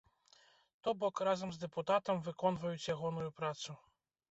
То бок, разам з дэпутатам выконваюць ягоную працу.